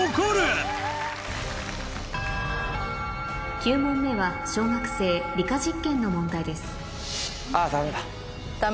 ９問目は小学生理科実験の問題ですあ！